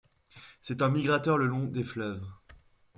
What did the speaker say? C'est un migrateur le long des fleuves.